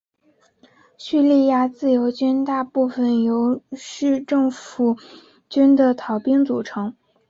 叙利亚自由军大部分由叙政府军的逃兵组成。